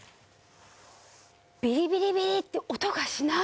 ビリビリビリって音がしない。